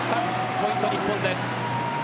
ポイント、日本です。